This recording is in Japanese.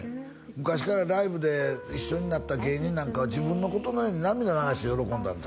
昔からライブで一緒になった芸人なんかは自分のことのように涙流して喜んだんです